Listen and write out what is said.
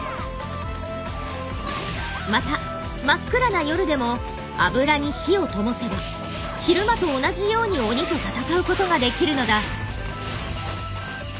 また真っ暗な夜でも油に火をともせば昼間と同じように鬼と戦うことができるのだ。